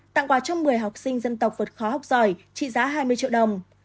tặng quà cho một mươi học sinh dân tộc vượt khó học giỏi trị giá hai mươi triệu đồng